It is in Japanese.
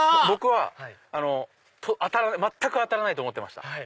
僕は全く当たらないと思ってました。